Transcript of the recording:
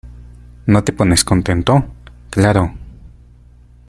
¿ no te pones contento? claro...